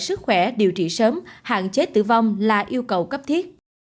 sức khỏe điều trị sớm hạn chế tử vong là yêu cầu cấp thiết